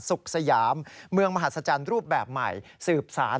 สยามเมืองมหัศจรรย์รูปแบบใหม่สืบสาร